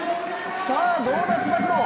さあ、どうだ、つば九郎！